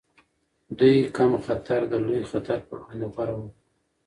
دوی کم خطر د لوی خطر پر وړاندې غوره وباله.